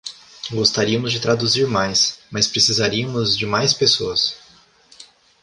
Gostaríamos de traduzir mais, mas precisaríamos de mais pessoas.